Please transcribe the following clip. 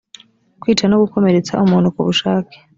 kwica no gukomeretsa umuntu ku bushake